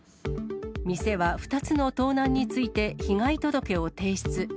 店は２つの盗難について、被害届を提出。